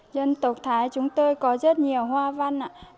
dân tộc thái chúng tôi có rất nhiều hoa văn ạ